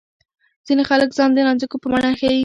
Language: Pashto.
ځینې خلک ځان د نانځکو په بڼه ښيي.